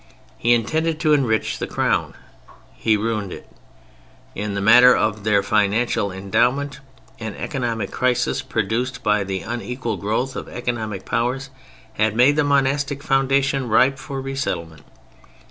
He intended to enrich the Crown: he ruined it. In the matter of their financial endowment, an economic crisis, produced by the unequal growth of economic powers, had made the monastic foundation ripe for re settlement.